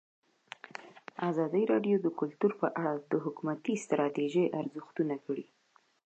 ازادي راډیو د کلتور په اړه د حکومتي ستراتیژۍ ارزونه کړې.